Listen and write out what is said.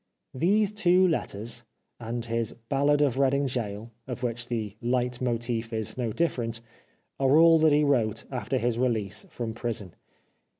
These two letters, and his " Ballad of Reading Gaol," of which the leit motiv is no different, are all that he wrote after his release from prison.